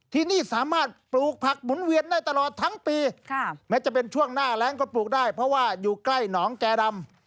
ที่นี่สามารถปลูกผักหมุนเวียนได้ตลอดทั้งปีแม้จะเป็นช่วงหน้าแรงก็ปลูกได้เพราะว่าอยู่ใกล้หนองแก่ดำ